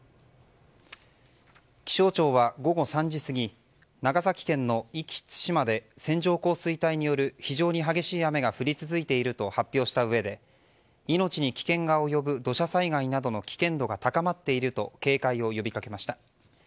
気象庁は午後３時過ぎ長崎県の壱岐・対馬で線状降水帯による非常に激しい雨が降り続いていると発表したうえで命に危険が及ぶ土砂災害などの危険度が高まっていると警戒を呼びかけました。